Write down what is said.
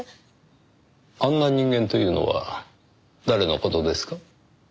あんな人間というのは誰の事ですか？